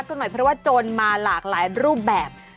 กันหน่อยเพราะว่าโจรมาหลากหลายรูปแบบ